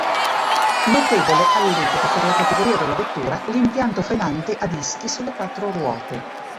Notevole all'epoca, per la categoria della vettura, l'impianto frenante a dischi sulle quattro ruote.